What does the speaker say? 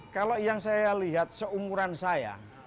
kalau yang saya lihat seumuran saya